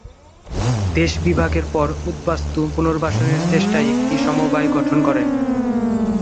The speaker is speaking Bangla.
দেশবিভাগের পর উদ্বাস্তু পুনর্বাসনের চেষ্টায় একটি সমবায় গঠন করেন।